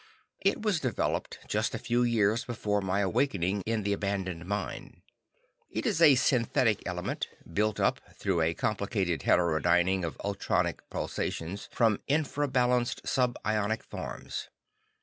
It was developed just a few years before my awakening in the abandoned mine. It is a synthetic element, built up, through a complicated heterodyning of ultronic pulsations, from "infra balanced" sub ionic forms.